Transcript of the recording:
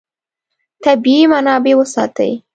طبیعي منابع وساتئ.